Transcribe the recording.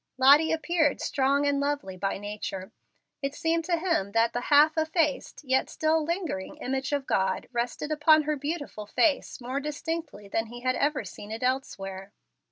Lottie appeared strong and lovely by nature. It seemed to him that the half effaced, yet still lingering image of God rested upon her beautiful face more distinctly than he had ever seen it elsewhere.